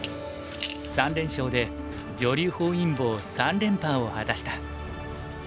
３連勝で女流本因坊三連覇を果たした。